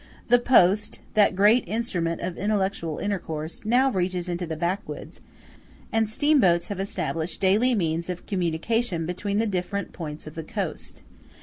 The post, *t that great instrument of intellectual intercourse, now reaches into the backwoods; and steamboats have established daily means of communication between the different points of the coast.